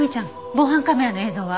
防犯カメラの映像は？